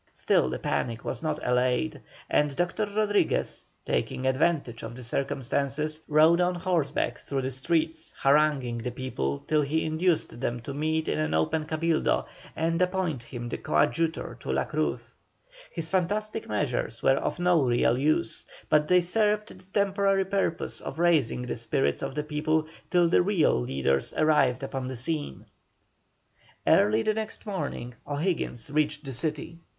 Still the panic was not allayed, and Dr. Rodriguez, taking advantage of the circumstances, rode on horseback through the streets, haranguing the people till he induced them to meet in an open Cabildo and appoint him coadjutor to La Cruz. His fantastic measures were of no real use, but they served the temporary purpose of raising the spirits of the people till the real leaders arrived upon the scene. Early the next morning O'Higgins reached the city.